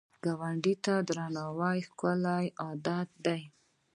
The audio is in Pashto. ګاونډي ته درناوی ښکلی عادت دی